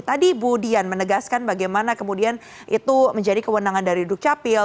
tadi bu dian menegaskan bagaimana kemudian itu menjadi kewenangan dari dukcapil